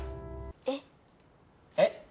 えっ？えっ？